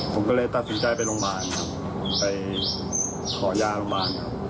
ผมก็เลยตัดสินใจไปโรงพยาบาล